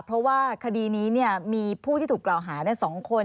เพราะว่าคดีนี้มีผู้ที่ถูกกล่าวหา๒คน